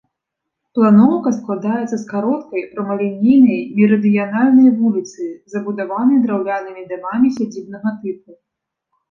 Планоўка складаецца з кароткай, прамалінейнай мерыдыянальнай вуліцы, забудаванай драўлянымі дамамі сядзібнага тыпу.